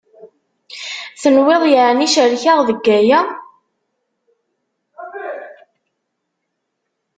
Tenwiḍ yeεni cerkeɣ deg aya?